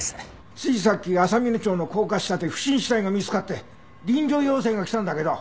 ついさっき浅峰町の高架下で不審死体が見つかって臨場要請が来たんだけど。